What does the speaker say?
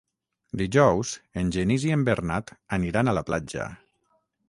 Dijous en Genís i en Bernat aniran a la platja.